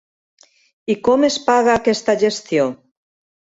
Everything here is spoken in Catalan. I com es paga aquesta gestió?